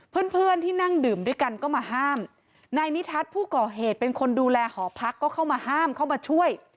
เพื่อนเพื่อนที่นั่งดื่มด้วยกันก็มาห้ามนายนิทัศน์ผู้ก่อเหตุเป็นคนดูแลหอพักก็เข้ามาห้ามเข้ามาช่วย